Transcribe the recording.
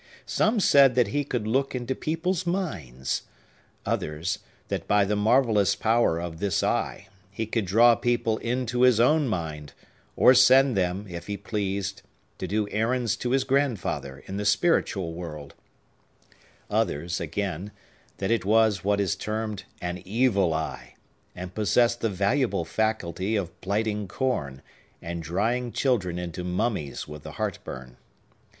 Some said that he could look into people's minds; others, that, by the marvellous power of this eye, he could draw people into his own mind, or send them, if he pleased, to do errands to his grandfather, in the spiritual world; others, again, that it was what is termed an Evil Eye, and possessed the valuable faculty of blighting corn, and drying children into mummies with the heartburn.